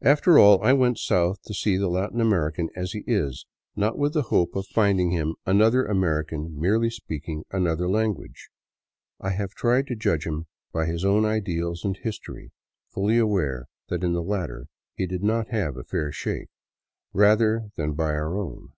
After all, I went south to see the Latin American as he is, not with the hope of finding him another American merely speaking another language. I have tried to judge him by his own ideals and history, fully aware that in the latter he did not have a " fair shake," rather than by our own.